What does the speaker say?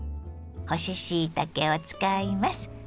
干ししいたけを使います。